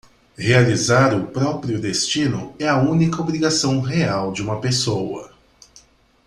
Realizar o próprio destino é a única obrigação real de uma pessoa.